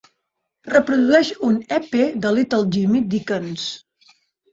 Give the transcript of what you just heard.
Reprodueix un EP de Little Jimmy Dickens.